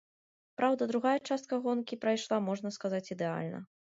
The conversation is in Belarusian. Праўда, другая частка гонкі прайшла, можна сказаць, ідэальна.